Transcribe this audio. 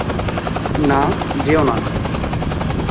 না, যেও না!